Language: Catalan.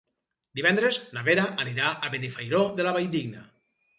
Divendres na Vera anirà a Benifairó de la Valldigna.